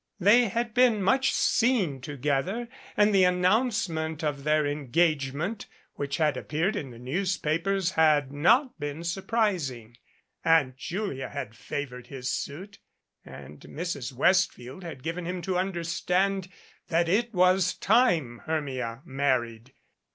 They had been much seen together and the announcement of their engagement which had ap peared in the newspapers had not been surprising. Aunt Julia had favored his suit and Mrs. Westfield had given him to understand that it was time Hermia married.